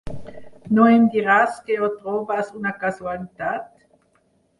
No em diràs que ho trobes una casualitat?